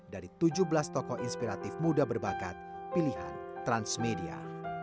dari tujuh belas tokoh inspiratif muda berbakat pilihan transmedia